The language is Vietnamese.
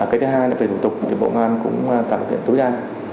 cái thứ hai là về thủ tục bộ công an cũng tạo điều kiện tối đa